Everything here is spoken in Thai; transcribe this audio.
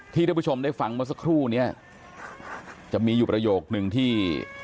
ท่านผู้ชมได้ฟังเมื่อสักครู่เนี่ยจะมีอยู่ประโยคนึงที่